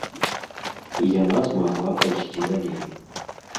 І яна змагла пайсці далей.